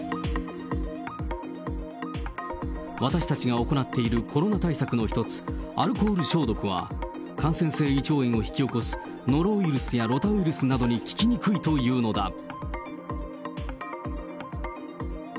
私たちが行っているコロナ対策の一つ、アルコール消毒は、感染性胃腸炎を引き起こすノロウイルスやロタウイルスなどに効きにくいというのだ。